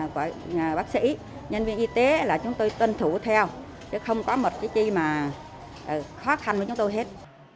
của bác sĩ nhân viên y tế là chúng tôi tuân thủ theo chứ không có một cái gì mà khó khăn với chúng tôi hết